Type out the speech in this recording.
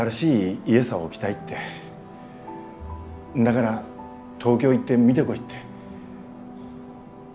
がら東京行って見てこいって。